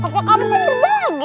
tapi kamu tuh berbagi